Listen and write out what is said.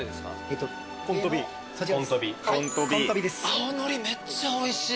青のりめっちゃおいしい。